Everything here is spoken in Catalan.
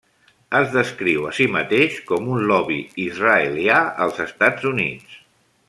Es descriu a si mateix com un Lobby israelià als Estats Units.